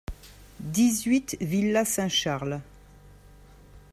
dix-huit villa Saint-Charles